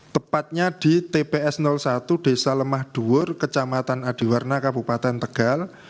tepatnya di tps satu desa lemah duur kecamatan adiwarna kabupaten tegal